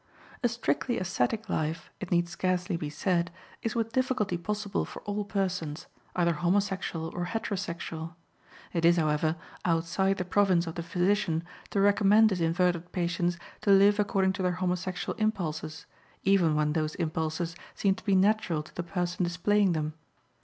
A strictly ascetic life, it needs scarcely be said, is with difficulty possible for all persons, either homosexual or heterosexual. It is, however, outside the province of the physician to recommend his inverted patients to live according to their homosexual impulses, even when those impulses seem to be natural to the person displaying them.